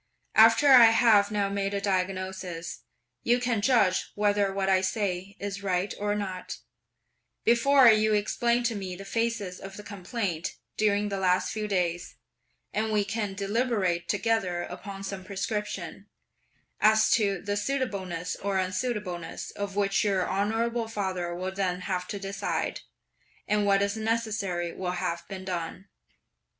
After I have now made a diagnosis, you can judge whether what I say is right or not, before you explain to me the phases of the complaint during the last few days, and we can deliberate together upon some prescription; as to the suitableness or unsuitableness of which your honourable father will then have to decide, and what is necessary will have been done."